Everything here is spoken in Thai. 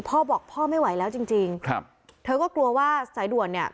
พ่อบอกพ่อไม่ไหวแล้วจริงจริงครับเธอก็กลัวว่าสายด่วนเนี่ย